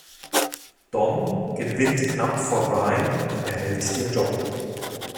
Dom gewinnt knapp vor Brian und erhält den Job.